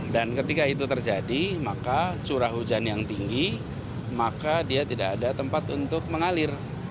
dan ketika itu terjadi maka curah hujan yang tinggi maka dia tidak ada tempat untuk mengalir